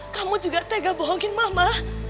kamu juga tega bohongin mama